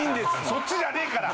そっちじゃねぇから。